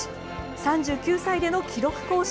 ３９歳での記録更新。